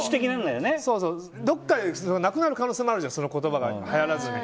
どこかでなくなる可能性もあるじゃん、はやらずに。